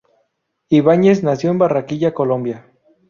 Ibañez nació en Barranquilla, Colombia.